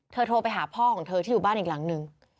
โทรไปหาพ่อของเธอที่อยู่บ้านอีกหลังนึง